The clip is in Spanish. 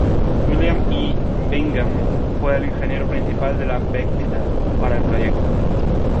William E. Bingham fue el Ingeniero Principal de la Bechtel para el proyecto.